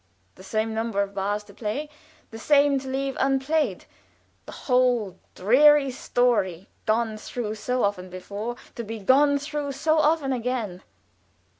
The same number of bars to play, the same to leave unplayed; the whole dreary story, gone through so often before, to be gone through so often again.